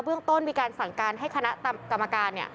เรื่องต้นมีการสั่งการให้คณะกรรมการ